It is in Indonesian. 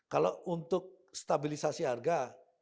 kalau untuk stabilisasi harga